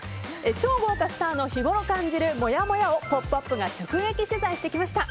超豪華スターの日ごろ感じるもやもやを「ポップＵＰ！」が直撃取材してきました。